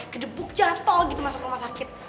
kedebuk jatuh gitu masuk rumah sakit